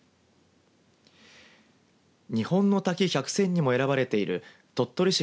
日本の滝百選にも選ばれている鳥取市